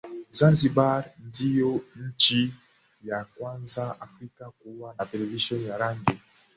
Zanzibar ndio nchi ya kwanza afrika kuwa na televisheni ya rangi